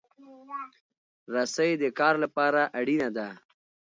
رسۍ د کار لپاره اړینه ده.